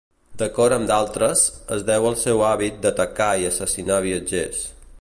D'acord amb d'altres, es deu al seu hàbit d'atacar i assassinar viatgers.